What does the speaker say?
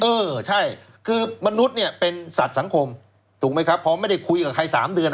เออใช่คือมนุษย์เนี่ยเป็นสัตว์สังคมถูกไหมครับพอไม่ได้คุยกับใคร๓เดือน